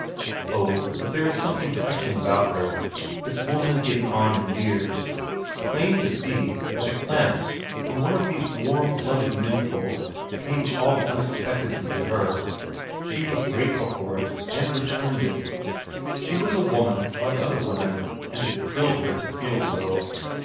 Oh, but there is something touching about her, this woman getting on in years; plain to see that a glance from one of these warm blooded menfolk came all unexpectedly to her; she was grateful for it, and returned it; she was a woman like other women, and it thrilled her to feel so.